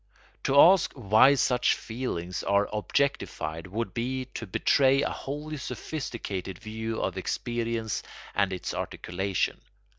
To ask why such feelings are objectified would be to betray a wholly sophisticated view of experience and its articulation.